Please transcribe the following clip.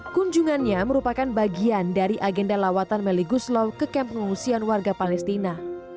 kunjungannya merupakan bagian dari agenda lawatan melly guslow ke kamp pengungsian warga palestina